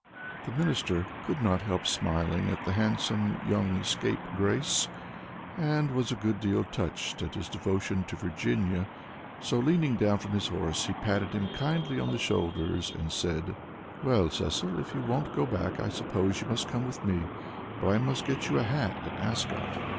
The Minister could not help smiling at the handsome young scapegrace, and was a good deal touched at his devotion to Virginia, so leaning down from his horse, he patted him kindly on the shoulders, and said, "Well, Cecil, if you won't go back, I suppose you must come with me, but I must get you a hat at Ascot."